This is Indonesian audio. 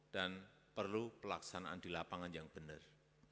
dan perlu pelaksanaan di lapangan yang benar